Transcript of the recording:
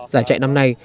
giải chạy năm nay